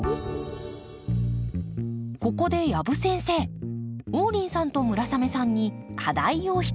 ここで養父先生王林さんと村雨さんに課題を一つ。